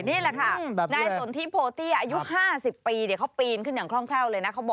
นี่แหละค่ะนายสนทิโพเตี้ยอายุ๕๐ปีเขาปีนขึ้นอย่างคล่องแคล่วเลยนะ